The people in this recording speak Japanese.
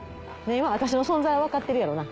今私の存在は分かってるやろうな。